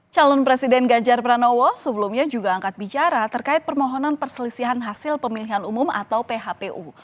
calon presiden ganjar pranowo sebelumnya juga angkat bicara terkait permohonan perselisihan hasil pemilihan umum atau phpu